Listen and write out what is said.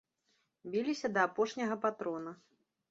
Біліся да апошняга патрона.